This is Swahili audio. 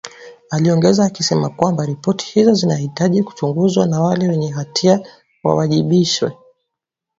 Aliongeza akisema kwamba ripoti hizo zinahitaji kuchunguzwa na wale wenye hatia wawajibishwe.